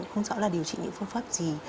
không rõ là điều trị những phương pháp gì